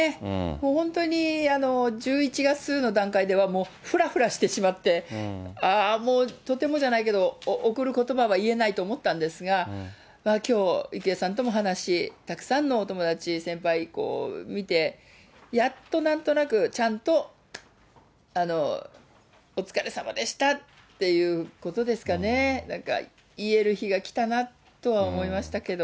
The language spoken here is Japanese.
もう本当に１１月の段階では、ふらふらしてしまって、ああもう、とてもじゃないけど、送ることばは言えないと思ったんですが、きょう、郁恵さんとも話、たくさんのお友達、先輩、見て、やっとなんとなく、ちゃんとお疲れさまでしたっていうことですかね、なんか、言える日が来たなとは思いましたけど。